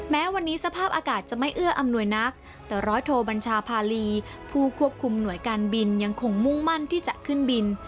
แม้วันนี้สภาพอากาศจะไม่เอื้ออำนวยนักแต่ร้อยโทบัญชาพาลีผู้ควบคุมหน่วยการบินยังคงมุ่งมั่นที่จะขึ้นบิน